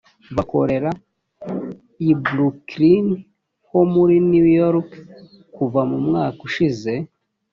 bakorera i brooklyn ho muri new york kuva mu mwaka ushize